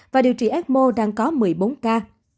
và điều trị ecmo đang có một mươi bốn ca